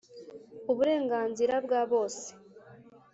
uburenganzira bwa bose